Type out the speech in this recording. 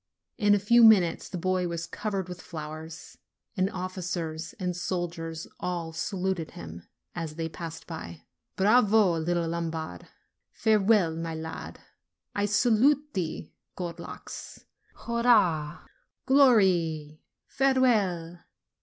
In a few minutes the boy was covered with flowers, and officers and soldiers all saluted him as they passed by: "Bravo, little Lombard!" "Farewell, my lad!" "I salute thee, gold locks!" "Hurrah!" "Glory!" "Farewell!"